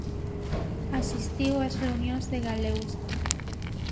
Asistiu ás reunións de Galeusca.